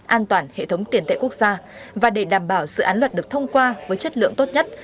an toàn hệ thống tiền tệ quốc gia và để đảm bảo sự án luật được thông qua với chất lượng tốt nhất